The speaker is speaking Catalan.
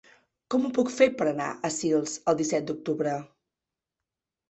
Com ho puc fer per anar a Sils el disset d'octubre?